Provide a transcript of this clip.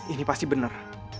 ini pasti bener